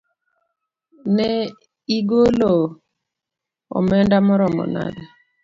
ne igolo onenda maromo nade?